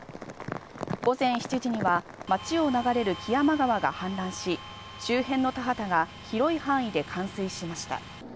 午前７時には町を流れる木山川が氾濫し、周辺の田畑が広い範囲で冠水しました。